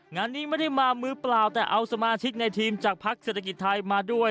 งานนี้ไม่ได้มามือเปล่าแต่เอาสมาชิกในทีมจากพักเศรษฐกิจไทยมาด้วย